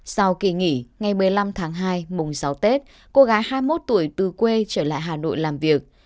sau kỳ nghỉ ngày một mươi năm tháng hai mùng sáu tết cô gái hai mươi một tuổi từ quê trở lại hà nội làm việc